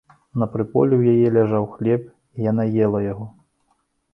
На прыполе ў яе ляжаў хлеб, і яна ела яго.